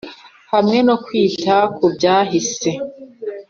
hamwe no kwita kubyahise.